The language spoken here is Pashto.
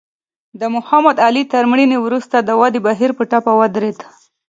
د محمد علي تر مړینې وروسته د ودې بهیر په ټپه ودرېد.